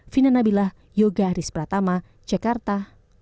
vina nabilah yoga rizpratama jakarta